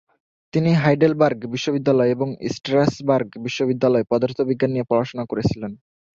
তিনি হাইডেলবার্গ বিশ্ববিদ্যালয় এবং স্ট্র্যাসবার্গ বিশ্ববিদ্যালয়ে পদার্থবিজ্ঞান নিয়ে পড়াশোনা করেছিলেন।